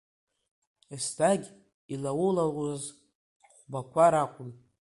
Еснагь илаулауаз хәбақәа ракәын.